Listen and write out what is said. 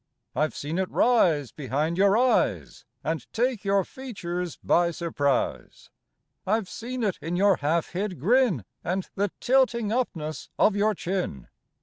I've seen it rise behind your eyes And take your features by surprise. I've seen it in your half hid grin And the tilting upness of your chin.